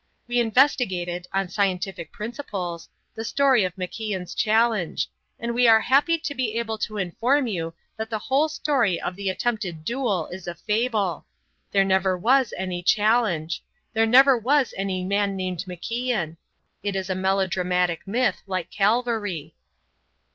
We investigated, on scientific principles, the story of MacIan's challenge, and we are happy to be able to inform you that the whole story of the attempted duel is a fable. There never was any challenge. There never was any man named MacIan. It is a melodramatic myth, like Calvary."